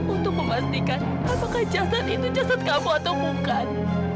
untuk memastikan apakah jasad itu jasad kamu atau bukan